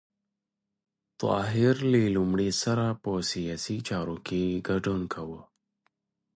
طاهر له لومړي سره په سیاسي چارو کې ګډون کاوه.